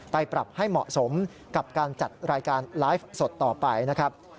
ปรับให้เหมาะสมกับการจัดรายการไลฟ์สดต่อไปนะครับ